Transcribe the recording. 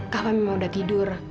kava memang udah tidur